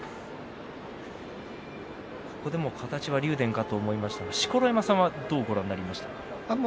形は竜電かと思いましたが錣山さんはどうご覧になりましたか？